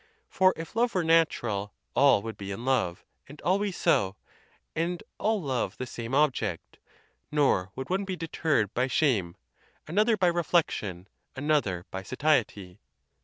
For if love were natural, all would' be in love, and always so, and all love the same object; nor would one be deterred by shame, another by reflection, another by satiety.